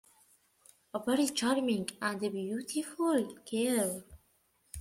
A very charming and beautiful girl.